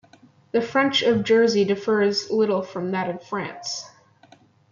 The French of Jersey differs little from that of France.